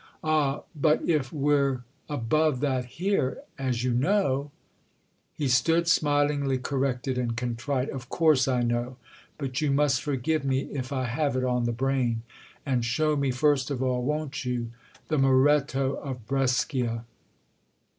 "Ah, but if we're above that here, as you know———!" He stood smilingly corrected and contrite. "Of course I know—but you must forgive me if I have it on the brain. And show me first of all, won't you? the Moretto of Brescia."